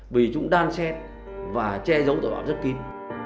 vì chúng đang xét và che dấu tội phạm rất kín